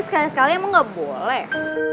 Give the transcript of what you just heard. sekali sekali emang nggak boleh